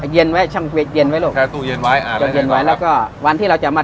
เย็นไว้ช่องเย็นไว้ลูกแค่ตู้เย็นไว้อ่าแล้วก็วันที่เราจะมา